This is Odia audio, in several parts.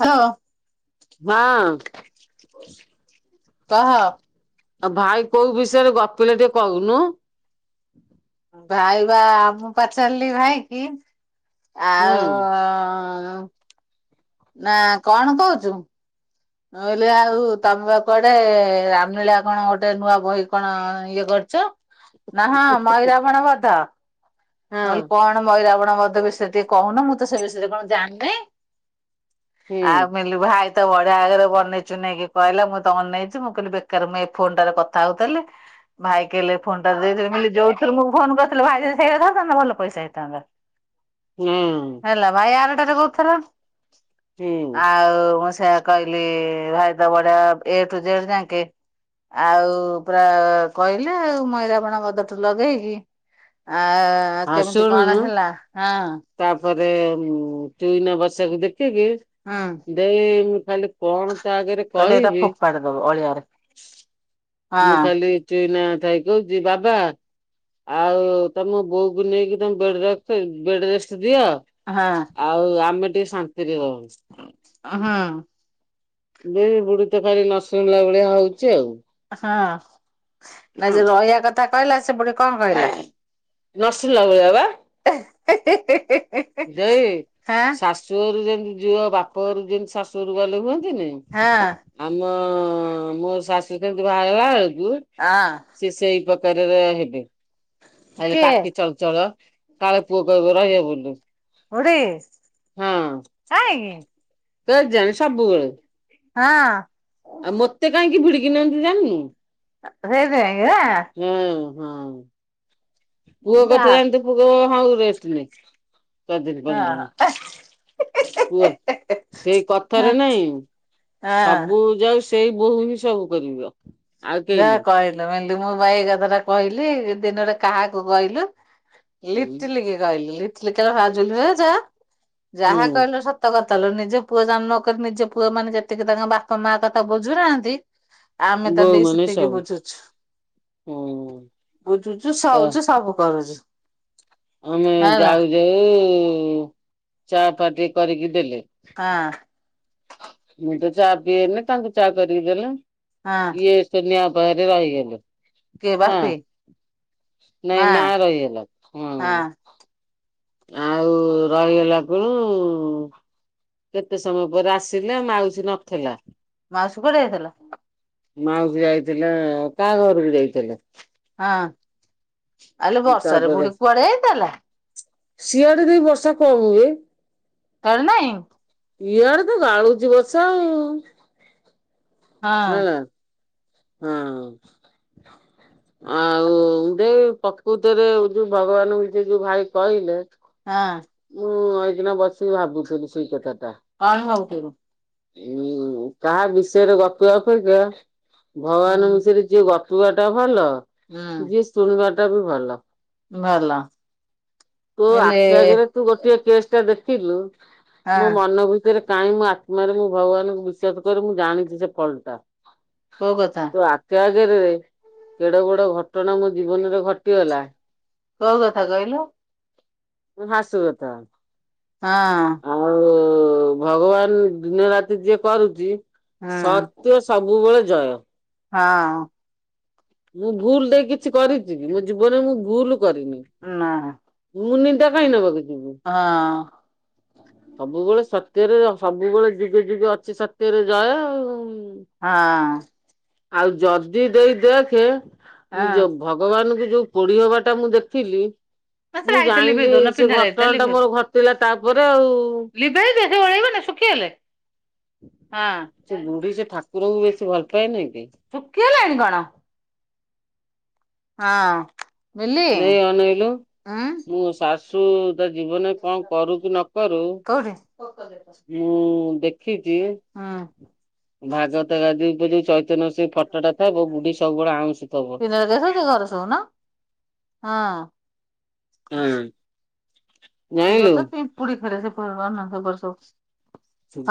ହଁ। ହଁ। କହ? ଆଉ ଭାଇ କୋଉ ବିଷୟରେ ଗପିଲ ଟିକେ କହୁନୁ? ଭାଇ ବା ମୁଁ ପଚାରିଲି ଭାଇ କି ହୁଁ ଆଉ ନା କଣ କହୁଚୁ ମୁଁ କହିଲି ଆଉ ତମେବା କୁଆଡେ ରାମଲୀଳା କଣ ଗୋଟେ ନୂଆ ବହି କଣ ଇଏ କରିଚ ନା ହଁ ମହିରାବଣ ବଦ୍ଧ। ହଁ ମୁଁ କହଲି କଣ ମହିରାବଣ ବଧ ବିଷୟରେ ଟିକେ କହୁନ ମୁଁ ତ ସେ ବିଷୟରେ କଣ ଜାଣି ନେଇଁ। ହୁଁ ଆମିଲୁ ଭାଇ। ଏତେ ବଢିଆ ଆଗରେ ବନେଇ ଚୁନେଇକି କହିଲା ମୁଁ ତ ବ ଅନେଇଚି ମୁଁ କହିଲି ବେକାର ମୁଁ ଏଇ ଫୋନ ଟାରେ କଥା ହଉଥିଲି ଭାଇ କହିଲେ ଫୋନ ଟା ଦେଇଥିଲେ ଯୋଉଥିରେ ମୁଁ ଫୋନ କରିଥିଲେ ଭାଇ ଯଦି ସେ ସେଟା ଧ। ଭଲ ପଇସା ହେଇଥାନ୍ତା। ହୁଁ। ହେଲା ଭାଇ ଆରଟାରେ କରୁଥିଲା ହୁଁ ଆଉ ମୁଁ ସେୟା କହିଲି ଭାଇ ତ ବଢଆ ଏ ଠୁ ଜେଡ ଯାଙ୍କେ। ଆଉ ପୁରା କହିଲି ଆଉ ମଇରାବଣ ବଧ ଠୁ ଲଗେଇକି ଆ ହଁ କେମିତି ଶୁଣୁନୁ କଣ ହେଲା ହଁ। ତାପରେ ଚୁଇନା ବସକୁ ଦେଖିକି। ହଁ। ଦେଇ ମୁଁ ଖାଲି କଣ ତା ଆଗରେ କଇଲି ଏଟା କହିବି ଫୋପଡ଼ି ଦବ ଅଳିଆରେ। ହଁ ମୁଁ କହିଲି ଚୁଇନା ଥାଇ କହୁଛି ବାବା ଆଉ ତମେ ବୋଉ କୁ ନେଇକି ତମେ ବେଡ ରେ ବେଡ ରେଷ୍ଟ ଦିଅ। ହଁ। ଆଉ ଆମେ ଟିକେ ଶାନ୍ତିରେ ରହୁ ଆ ହଁ। ଯେ ବୁଢ଼ୀ ତ କାଇଁ ନ ଶୁଣିଲା ଭଳିଆ ହଉଛି ଆଉ। ହଁ। ନା ଯଉ ରହିବା କଥା କହିଲା ସେପଟେ କଣ କହିଲା? ନ ଶୁଣିଲା ଭଳିଆ ବା। ଦେଇ ହାଁ ଶାଶୁ ଘରୁ ଯେମିତି ଝିଅ ବାପ ଘରକୁ ଯେମିତି ଶାଶୁ ଘରକୁ ଗଲେ ଯେମିତି ହୁଅନ୍ତି ନି? ହଁ। ଆମ ମୋ ଶାଶୁ କେମିତି ବାହାର ହେଲା ବେଳ କୁ ଅଁ। ସେ ସେଇ ପକାରରେ ହେବେ ଆଏ କିଏ ତାକେ ଚଳଚଳ କାଳେ ପୁଅ କହିବ ର ଇଏ ବୁଲୁ। କୋଉଠିି କାହିଁକି? କେଜାଣି ସବୁବେଳେ। ହଁ। ଆଉ ମତେ କାହିଁକି ଭିଡିକି ନିଅନ୍ତି ଜାଣିନୁ। [unintelligible] ଏଁ ହଁ। ପୁଅ ଯା କଥା ଜାଣଥିବୁ ପୁଅ କହିବ ହଁ ରେଷ୍ଟ ନେ ଚାରଦିନ ପାଞ୍ଚ ହଁ ଦିନି। ପୁଅ ସେଇ କଥାରେ ହଁ ନାଇଁ ହଁ ସବୁ ଯାଉ ତେଇ ବୋଉ ହି ସବୁ କରିବ। ଆଉ କେହି ଯାହା କହିଲ ମିଲୁ ମୋ ଭାଇକୁ ଏ କଥା ଟା କହିଲି ଦିନରେ କାହାକୁ କହିଲୁ? ନାଇଁ ଲିଟଲିକି କହିଲି ଲିଟଲି କହିଲା ହାଜୁଲ ହଉଜ ଯା ଯାହା ହୁଁ। କହିଲ ସ ତ କଥାଲୋ ନିଜେ ପୁଅ ଜନ୍ମ କରି ନିଜ ପୁଅ ମାନେ ଯେତିକି ତାଙ୍କ ବାପା ମା କଥା ବୁଝୁନାହାନ୍ତି ଆମେ ତ ବୋଉ ଦେଇ ସେତ୍ ମାନେ ତିକି ସବୁ ବୁଝୁଛୁ ହୁଁ ବୁଝୁଛୁ ସଉଛୁ ସବୁ କରୁଛୁ। ଆମେ ହେଲା ଯାଉ ଯାଉ ଚା ପା ଟିକେ କରିକି ଦେଲେ। ହଁ। ମୁଁ ତ ଚା ପିଏନି ତାଙ୍କୁ ଚା କରି ଦେଲେ ହଁ ଇଏ ସୁନିଆଁ ଅପା ହରେ ରହିଗଲୁ। କିଏ ମା ବାପି? ନାଇଁ ମା ରହିଗଲା ହଁ। ଆଉ ରହିଗଲା କୁଳୁ କେତେ ସମୟ ପରେ ଆସିଲା ମାଉସୀ ନଥିଲା। ମାଉସୀ କୁଆଡେ ଯାଇଥିଲା? ମାଉସୀ ଯାଇଥିଲେ କାହା ଘରକୁ ଯାଇଥିଲେ? ହଁ ଆଲୋ ବର୍ଷାରେ ବୁଢୀ କୁଆଡେ ଯାଇଥିଲା? ଶିଆଡେ ଦେଇ ବର୍ଷା କମ ହୁଏ। ତୋ ଆଡେ ନାଇଁ? ଇଆଡେ ତ ଗାଳୁଚି ବର୍ଷା ଆଉ। ହଁ। ହେଲା ହଁ। ଯେ ପ୍ରକୃତିରେ ଯୋଉ ଭଗବାନ ହଇଛି ଯୋଉ ଭାଇ କହିଲେ ହାଁ। ମୁଁ ଏଇଦିନ ବସି ଭାବୁଥିଲି ସେଇ କଥାଟା। ଆ ଭାବୁଥିଲୁ। ହୁଁ କାହା ବିଷୟରେ ଗପିଆ ଅପେକ୍ଷା ହୁଁ ଭଗବାନଙ୍କ ବିଷୟରେ ଯିଏ ଗପିବା ଟା ଭଲ ଯିଏ ହୁଁ ଶୁଣିବା ଟା ବି ଭଲ। ଭଲ ତୋ ହେଲେ ଆଖି ଆଗରେ ତୁ ଗୋଟେ କେସଟା ଦେଖିଲୁ ହଁ ମୋ ମନ ଭିତରେ କାହିଁ ମୋ ଆତ୍ମାରେ ମୁଁ ଭଗବାନଙ୍କୁ ବିଶ୍ବାସ କରେ ମୁଁ ଜାଣିଛି ସେ ଫଲ ଟା। କୋଉ କଥା? ତ ଆଖି ଆଗରେରେ କେଡେ ବଡ ଘଟଣା ମୋ ଜୀବନରେ ଘଟିଗଲା କୋଉ କଥା କହିଲୁ? [unintelligible] ହଁ। ଆଉ ଭଗବାନ୍ ଦିନରାତି ଯିଏ କରୁଚି, ହଁ ସତ୍ୟ ସବୁବେଳେ ଜୟ। ହଁ। ମୁଁ ଭୁଲ ଟାଏ କିଛି କରିଚି କି, ମୋ ଜୀବନରେ ମୁଁ ଭୁଲ କରିନି। ନାଁ। ମୁଁ ନିନ୍ଦା କାଇଁ ନବାକୁ ଯିବୁ। ହଁ। [inaudible] ସବୁବେଳେ ସତ୍ୟରେ ଅ ସବୁବେଳେ ଯୁଗେ ଯୁଗେ ଅଛି ସତ୍ୟରେ ଜୟ ଆଉ। ହାଁ। ଆଉ ଯଦି ଦେଇ ଦେଖେ, ମୁଁ ହଁ ଯୋଗ୍ ଭଗବାନଙ୍କୁ ଯୋଉ ପୋଡି ହବାଟା ମୁଁ ଦେଖିଲି ମତେ ମୁଁ ଲାଇଟ୍ ଟା ଲିଭେଇ ଜାଇଁଲି ଦଉନ ସେ ପିନ୍ଧା ଲାଇଟ୍ ଟା ଘଟଣାଟା ଲିଭେଇ ମୋର ଘଟିଲା ତା ପରେ ଆଉ। ଲିଭେଇ ଦେ [unintelligible] ନା ଶୁଖିଗଲେ। ହଁ ସେ ବୁଢୀ ସେ ଠାକୁରଙ୍କୁ ବେଶୀ ଭଲ ପାଏ ନାଇଁ କି। ଶୁଖିଗଲାଣି କଣ? ହଁ। ମିଲି ଲେଇ ଅନେଇଲୁ ଉଁ ମୋ ଶାଶୁ ତା ଜୀବନରେ କଣ କରୁ କି ନ କରୁ କୋଉଠି? [unintelligible] ମୁଁ ଦେଖିଚି ହୁଁ। ଭାଗବତ ଗାଦି [unintelligible] ଚୈତନ୍ୟ ସେ ଫଟୋଟା ଥାବ, ବୁଢୀ ସବୁବେଳେ ଆଉଁଶୁ ଥବ। [unintelligible] ଘରେ ସଉ ନ। ହଁ। [unintelligible] ଏଇ କ ଜାଣିଲୁ ତ ପିମ୍ପୁଡି ଖାରି [unintelligible] [unintelligible] [unintelligible]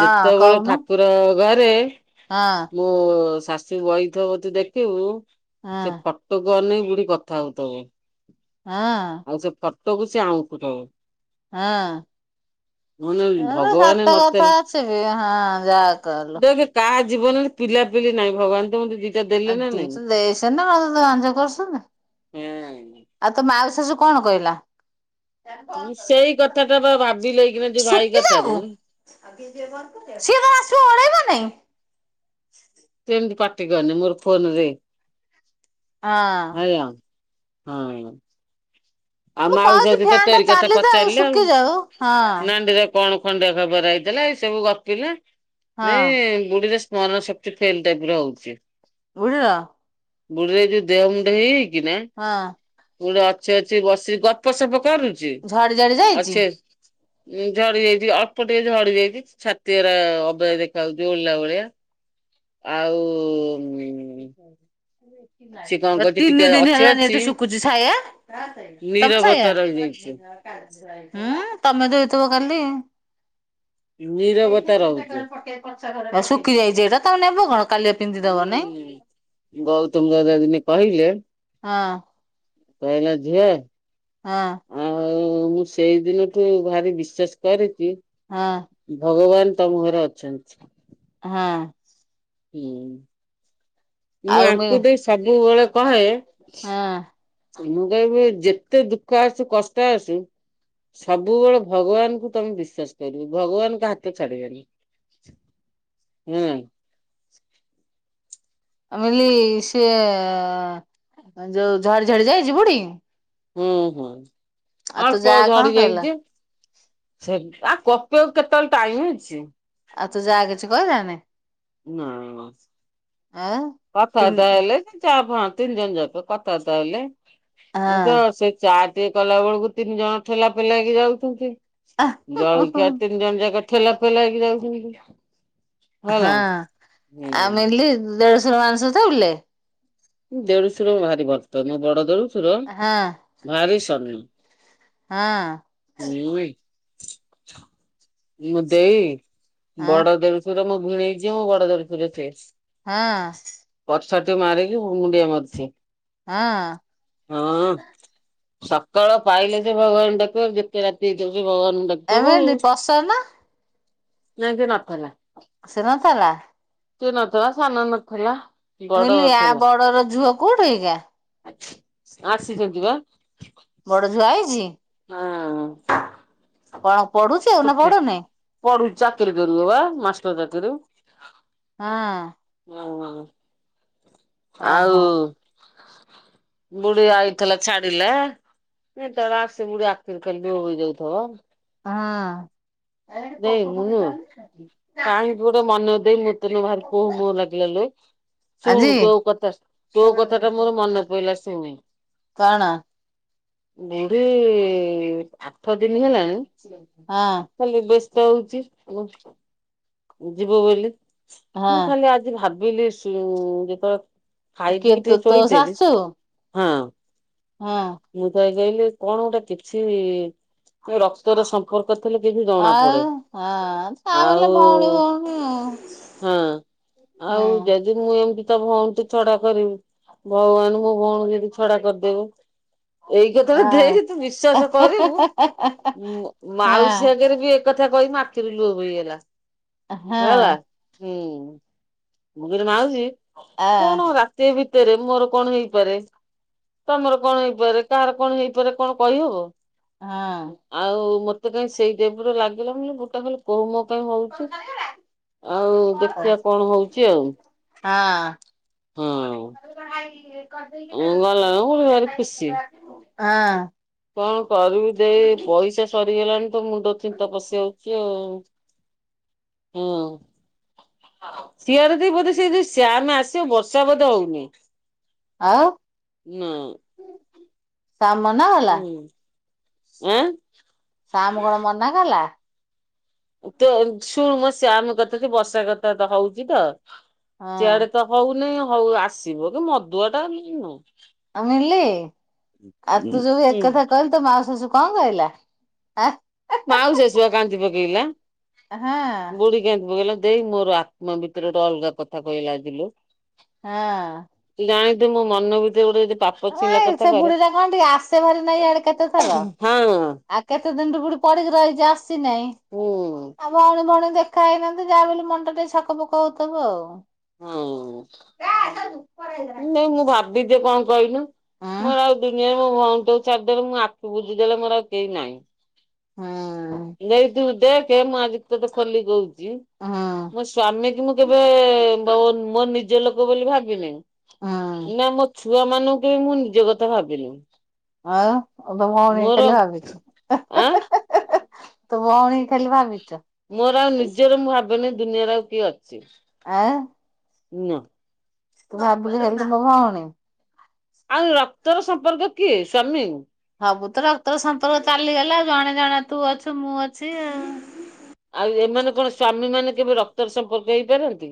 ଯେତବେଳେ ଠାକୁର ଘରେ [unintelligible] ହଁ ମୋ ଶାଶୁ ବଇଥ ବ ତୁ ଦେଖିବୁ, ସେ ହଁ ଫ [unintelligible] [unintelligible] ବୁଢି କଥା ହଉ ତବ। ହଁ। ଆଉ ସେ ଫଟୋକୁ ସେ ଆଉଁସୁ ଥବ। ହଁ। ମାନେ ଭଗବାନ [unintelligible] [unintelligible] ହଁ ନଥିଲେ ଯାହା କଇଲୁ। [unintelligible] କାହା ଜୀବନରେ ପିଲାପିଲି ନାହିଁ। ଭଗବାନ ତ ମୁ [unintelligible] [unintelligible] [unintelligible] [unintelligible] ଆଉ ହଁ ତୋ ମାଉସି ଶାଷୁ କଣ କହିଲା? ସେଇ କଥା ଟା ବା ଭାବିିଲେଇକିନା ଯୋଉ ଭାଇ ଶୁଖିଯାଉ କଥାରୁ। [unintelligible] [unintelligible] ଆସିବ ଅଳେଇବ ନାଇଁ? ତୁ ଏମତି ପାଟିକରନି ମୋର ଫୋନ ରେ। ହଁ। ହାଲୋ ହଁଇଁ। ଆଉ ମୁଁ ମାଉସୀ କହୁଛି ଯ ତ ଫ୍ୟାନ ଟା ତିରି କଥା ଚାଲିଥାଉ ପଚାରିଲେ ଆଉ ଶୁଖିଯାଉ ହଁ। ନାଡିରେ କଣ ଖଣ୍ଡିଆ ଖବର ହେଇଥିଲା ଏଇ ସବୁ ଗପିଲା ନେ ହଁ ବୁଢ଼ୀ ରେ ମର ସପ୍ଟେ ଫେଲ ଟାଇପର ହଉଛି। ବୁଝିଲ। ବୁଢୀରେ ଯୋଉ ଦେହ ମୁଣ୍ଡ ହେଇଯାଇକି ନା ହଁ ବୁଡା ଅଛେ ବସି ଗପସପ କରୁଛି ଝଡି ଝଡି ଯାଇଛି। ଅଛି। ଉଁ ଝଡି ଯାଇଛି ଅଳ୍ପ ଟିକେ ଝଡି ଯାଇଛି। ଛାତିଏରା ଅବୟ ଦେଖା ହଉଛି ଓଲିଲା ଭଳିଆ ଆଉ ସିଏ କଣ ଠ କରୁଛି ଟିକେ ତିନି ଦିନ ଅଛି ହେଲାନି ଅଛି ଏଇଠେ ସୁକୁୁଚି ସାୟା ତମ ନିରବତା ରହିଯାଇଛି ସାୟା। ଉଁ ତମେ ଦେଇଥିବ କାଲି। ନିରବତା ରହୁଛି। ଶୁଖି ଯାଇଛି ଏଇଟା ତମ ନେବ କଣ? କାଲିଆ ପିନ୍ଧିଦବ ନାଇଁ ହୁଁ ଗୌତମ ଦଦା ଦିନେ କହିଲେ ହଁ। କହିଲେ ଝିଅ ହଁ। ଆଉ ମୁଁ ସେଇ ଦିନଠୁ ଭାରି ବିଶ୍ଵାସ କରିଚି। ହଁ। ଭଗବାନ ତମ ଘରେ ଅଛନ୍ତି। ହଁ। ହୁଁ। ମୁଁ ଆଉ ମି ଆଙ୍କୁ ଦେଇ ସବୁବେଳେ କହେ ହଁ ମୁଁ କହିବି ଯେତେ ଦୁଃଖ ଆସୁ କଷ୍ଟ ଆସୁ ସବୁବେଳେ ଭଗବାନଙ୍କୁ ତମେ ବିଶ୍ଵାସ କରିବି ଭଗବାନଙ୍କ ହାତ ଛାଡିବନି। ହୁଁ। ଆମିଲି ସିଏ ଯୋଉ ଝଡି ଝଡି ଯାଇଛି ବୁଢ଼ୀ ହୁଁ ହୁଁ ତୋ ଅଲ୍ପ ଯା କଣ ଝଡି କହିଲା ଯାଇଚିଆ। ସେ ଆଉ କପେଇକୁ କେତେବେଳେ ଟାଇମ ଅଛି। ଆଉ ତୁ ଯାଆ କିଛି କହିଲାନି। ନାଇଁ ମାଉସୀ। ଆ। କଥାବାର୍ତ୍ତା ହେଲେ ସେ ଚାର ପା ତିନି ଜଣ ଯାକ କଥାବାର୍ତ୍ତା ହେଲେ ମୁଁ ତ ସେ ଚାଆ ଟିକେ କଲା ବେଳକୁ ତିନି ଜଣ ଠେଲା ପେଲା ହେଇକି ଯାଉଚନ୍ତି। ହଁ ଜଳଖିଆ ତିନି ଜଣ ଯାକ ଠେଲା ଫେଲା ହେଇକି ଯାଉଛନ୍ତି। ହେଲା। ହଁ ହୁଁ ଆମିଲି ଦେଢଶର ମାଂସ ଥା ବିଲେ। ଦେଢୁଶୁର ଭାରି ବର୍ତନ ବଡ ଦେଢ଼ଶୁର ହଁ ଭାରି ସନ। ହଁ। ମୁଁ ଇ। ମୁଁ ଦେଇ ହଁ ବଡ ଦେଢ଼ଶୁର ମୋ ଭିଣେଇ ଯିଏ ମୋ ବଡ ଦେଢ଼ଶୁର ସିଏ। ହଁ। ପ୍ରସାତ ମାରିକି ମୁଣ୍ଡିଆ ମାରୁଛି। ହଁ। ହଁ। ସକାଳ ପାଇଲେ ସେ ଭଗବାନ କୁ ଡାକିବ ଆଉ ଯେତେ ରାତି ହେଇଥାଉ ସେ ଭଗବାନ ଙ୍କୁ [inaudible] ସେମତି ନଥିଲା। ଆସି ନଥିଲା। ସେ ନଥିଲା ସାନ ନଥିଲା। ମୁଁ ବଡ କହିଲି ୟା ଥିଲା। ବଡର ଝୁଅ କୋଉଠି ହେଇଗା? ଆସିଛନ୍ତି ବା। ବଡ ଝୁଅ ଆଇଛି? ହୁଁ। କଣ ପଢୁଛୁ ନା ପଢୁନୁ? ପଢୁଛି ଚାକିରି କରିବ ପା ମାଷ୍ଟର ଚାକିରି। ହଁ। ହଁ ହଁ ଓହୋ ଆଉ ବୁଢୀ ଆଇଥିଲା ଛାଡିଲା ଏ ତ ସେ ବୁଢ଼ୀ ଆଖିରୁ ଖାଲି କୁହ ବହି ଯାଉଥିବ। ଦେଇ ମୁନୁ ହଁ। କାହିଁକି ଗୋଟେ ମନେ ଦେଇ ମୁୂତନ ବାହାର [inaudible] କୁହ ମ ଲାଗିଲଲୁ। ଆଜି ଶୁଣୁ ତୋ କଥା, ତୋ କଥା ଟା ମୋର ମନେ ପଡିଲା ଶୁଣୁ। କଣ? ବୁଢୀ ଆଠ ଦିନ ହେଲାଣି ହଁ। ଖାଲି ବ୍ୟସ୍ତ ହଉଛି ଆ ଯିବ ବୋଲି ମୁଁ ହଁ ଖାଲି ଆଜି ଭାବିଲି ଯେତେବେଳେ କିଏ ଖାଇପିକି ତୋ ଟିକେ ତୋ ଶୋଇଥିଲି ଶାଶୁ ଅଁ ହଁ। ମୁଁ ତ ଏଇ କହିଲି କଣ ଗୋଟେ କିଛି ର ତୋର ର ସମ୍ପର୍କ ଥିଲେ କିଛି ଜଣା ଆଉ ପଡେ ହଁ ତା ବଲେ ଆଉ ଭଉଣୀ ଭଉଣୀ ହଁ ଆଉ ମୁଁ ଏମତି ତ ଭଉଣଠୁ ଛଡା କରିମି। ଭଗବାନ ମୋ ଭଉଣୀଙ୍କୁ ଯଦି ଛଡା କରିଦେବ। ଏଇ କଥା ଟା ଆଉ ଦେଖେ ତୁ ବିଶ୍ଵାସ କରିବୁ ମାଉସୀ ହଁ ଆଗରେ ବି କଥା କହିକି ମୋ ଆଖିରୁ ଲୁହ ବଇଗଲା ହଁ ହେଲା ହୁଁ। ମୁଁ କହିଲି ମାଉସି ଆ କଣ ରାତି ଭିତରେ ମୋର କଣ ହେଇପାରେ? ତମର କଣ ହେଇପାରେ କାହାର କଣ ହେଇପାରେ କଣ କହିହବ? ହଁ। ଆଉ ମତେ କାଇଁ ସେଇ ଟାଇପର ଲାଗିଲା ମୁଁ କହିଲି ଗୋଟା ବହୁ ମୋ ପାଇଁ ହଉଛି ଆଉ। ହଁ ଦେଖିବା କଣ ହଉଛି ଆଉ? ହଁ। ହଁ। [unintelligible] ଗଲା ମୁଁ ଭାରି ଖୁସି। ହଁ। କଣ କରିବି ଦେଇ ପଇସା ସରିଗଲାଣି ତ ମୁଣ୍ଡ ଚିନ୍ତା ପଶିଯାଉଛି ଆଉ ହଁ। ସିଆଡେ ଦେଇ ବୋଧେ ସେ ଯୋଉ ସିଆରମ୍ ଆସିବ ବର୍ଷା ବୋଧେ ହଉନି। ନାଁ। ଶାମ୍ ମନା କଲା ହୁଁ ଆଁ ଶ୍ୟାମ୍ କଣ ମନା କଲା? ତୁ ଆଗ ଶୁଣୁ ମୋ ଶ୍ୟାମ୍ କଥା ବି ବର୍ଷେ କଥାବାର୍ତ୍ତା ହଉଚି ତ ହଁ ସିଆଡେ ତ ହଉନେଇଁ ହଉ ଆସିବ କି ମଦୁଆ ଟା ଆଉ ନିଲି ଆଉ ତୁ ଯଉ ହୁଁ ଏକଥା କହି ତୋ ମା ଶାଶୁ ଙ୍କ କହିଲା ଆ ମାଉସୀ ଜେଜେ ବା କାନ୍ଦି ପକେଇଲା ହଁ ବୁଢ଼ି ଏ ଗୁଣନ ଦେଇ ମୋର ଆତ୍ମ ଭିତରେ ତ ଅଲ୍ଗା କଥା କହି ଆଜିଲୁ ହଁ। ତୁ ଜାଣିଚୁ ମୋ ମନ ଭିତରେ ଗୋଟେ ଯ ଙ୍କାଇଁ ସେ ବୁଢ଼ୀଟା କଣ ଟିକେ ଆସେ ଭାରି ନାଇଁ ଆଡେ କେତେ ଥର ହଁ ଆ କେତେ ଦିନରୁୁ ବୁଢ଼ୀ ପଡିକି ରହିଛି ଆସିନାହିଁ ହୁଁ ଆମେ କଣ ଦେ ଖାଇନାହାନ୍ତି ଯାହା ବି ହେଲେ ମନ୍ଟା ଟିକେ ସକ ପକ ହଉଥିବ ଆଉ। ହୁଁ ନାଇଁ ମୁଁ ଭାବିଦିଏ ଙ୍କ କହିଲୁ? ମୋର ଆଉ ଦୁନିଆରେ ମୋ ଭଉଣୀ ଟାକୁ ଛାଡିଦେଲେ ମୁଁ ଆଖି ବୁଝିଦେଲେ ମୋର ଆଉ କେହି ନାହିଁ। ହୁଁ। ନେଇଥିବୁ ଦେଖେ ମୁଁ ଆଜିଠୁ ତତେ ଖୋଲି କହୁଚି ହଁ। ମୋ ସ୍ଵାମୀକି ମୁଁ କେବେ ବହୁତ୍ ମୋ ନିଜ ଲୋକ ବୋଲି ହୁଁ ଭାବିନେଇ ନା ମୋ ଛୁଆ ମାନଙ୍କୁ ବି ମୁଁ ନିଜ କଥା ଭାବିନି ଆଉ ଅଧ ଭଉଣୀ ମୋର ହେଲେ ଭାବିଚି ହେ ହେ ଆଁ ହେ ହେ ହେ ହେ ତୋ ଭଉଣୀକି ଖାଲି ଭାବିଚ ମୋର ଆଉ ନିଜର ମୁଁ ଭାବିନି ଏ ଦୁନିଆରେ ଆଉ କିଏ ଅଛି। ଆ। ନା। ତୁ ଭାବୁଛୁ ଖାଲି ତମ ଭଉଣୀ? ଆଉ ରକ୍ତର ସମ୍ପର୍କ କିଏ ସ୍ଵାମୀ? ସବୁତ ରକ୍ତର ସମ୍ପର୍କ ଚାଲିଗଲେ ଆଉ ଜଣେ ଜଣେ ତୁ ଅଛୁ ମୁଁ ଅଛି ଆଉ ଏମାନେ କଣ ସ୍ଵାମୀ ମାନେ କେବେ ରକ୍ତର ସମ୍ପର୍କ ହେଇପାରନ୍ତିକି?